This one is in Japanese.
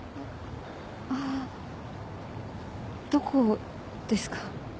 あっどこですか？